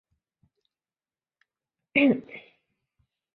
淡蓝色表示为非联播时间播放本地节目。